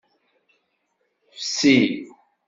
Fsi.